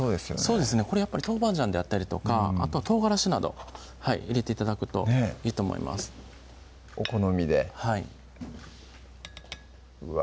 そうですねこれやっぱりトウバンジャンであったりとかあとはとうがらしなど入れて頂くといいと思いますお好みではいうわ